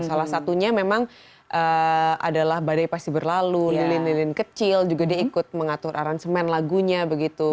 salah satunya memang adalah badai pasti berlalu lilin lilin kecil juga dia ikut mengatur aransemen lagunya begitu